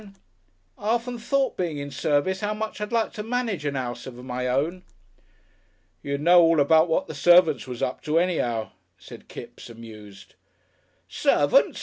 "I've often thought, being in service, 'ow much I'd like to manage a 'ouse of my own." "You'd know all about what the servants was up to, anyhow," said Kipps, amused. "Servants!